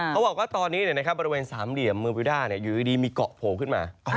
เขาบอกว่าตอนนี้เนี่ยนะครับบริเวณสามเหลี่ยมเมอร์วิวด้าเนี่ยอยู่ดีมีเกาะโผล่ขึ้นมา